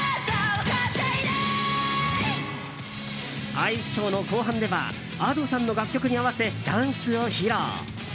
アイスショーの後半ではＡｄｏさんの楽曲に合わせダンスを披露。